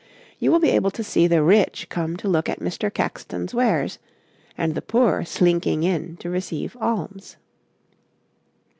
You will be able to see the rich come to look at Mr. Caxton's wares and the poor slinking in to receive alms.